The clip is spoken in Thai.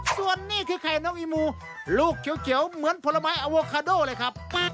ส่วนนี่คือไข่น้องอิมูลูกเกี่ยวเหมือนพอละไบอาโวคาโด่มามี